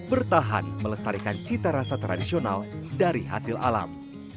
bertahan melestarikan cita rasa tradisional dari hasil alam